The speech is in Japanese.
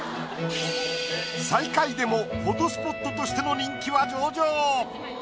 最下位でもフォトスポットとしての人気は上々。